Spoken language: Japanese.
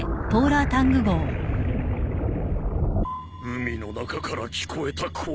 海の中から聞こえた声。